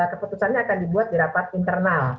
keputusannya akan dibuat di rapat internal